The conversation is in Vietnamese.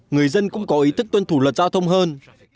người dân cũng có ý thức tuân thủ luật giao thông hơn